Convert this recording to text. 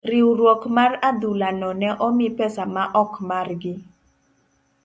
riwruok mar adhula no ne omi pesa maok margi.